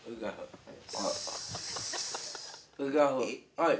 はい。